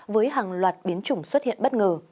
với hàng loạt biến chủng xuất hiện bất ngờ